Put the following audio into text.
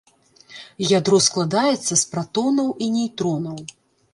Ядро складаецца з пратонаў і нейтронаў.